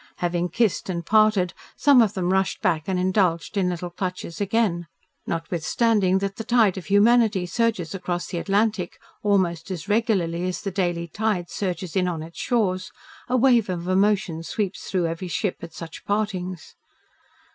Having kissed and parted, some of them rushed back and indulged in little clutches again. Notwithstanding that the tide of humanity surges across the Atlantic almost as regularly as the daily tide surges in on its shores, a wave of emotion sweeps through every ship at such partings.